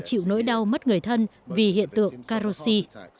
chịu nỗi đau mất người thân vì hiện tượng carosi